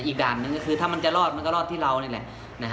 อีกด้านหนึ่งก็คือถ้ามันจะรอดมันก็รอดที่เรานี่แหละ